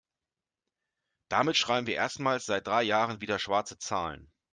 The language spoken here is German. Damit schreiben wir erstmals seit drei Jahren wieder schwarze Zahlen.